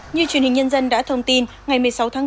như truyền hình nhân dân đã thông tin ngày một mươi sáu tháng bốn